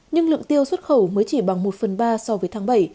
nhưng lượng tiêu xuất khẩu mới chỉ bằng một phần ba so với tháng bảy